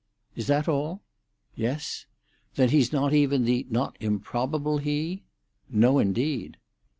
"Is that all?" "Yes." "Then he's not even the not improbable he?" "No, indeed."